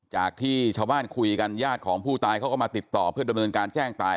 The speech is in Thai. จากที่ชาวบ้านคุยกันญาติของผู้ตายเขาก็มาติดต่อเพื่อดำเนินการแจ้งตาย